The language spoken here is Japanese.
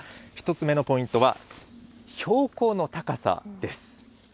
１つ目のポイントは、標高の高さです。